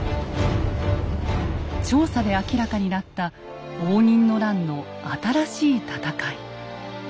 調査で明らかになった応仁の乱の新しい戦い。